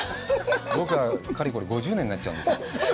僕は、かれこれ５０年になっちゃうんです。